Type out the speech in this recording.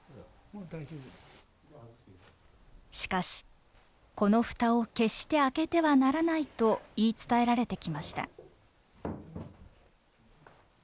しかし「この蓋を決して開けてはならない」と言い伝えられてきました。